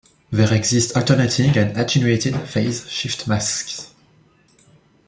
There exist alternating and attenuated phase shift masks.